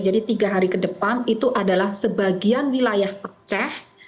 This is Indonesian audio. jadi tiga hari ke depan itu adalah sebagian wilayah aceh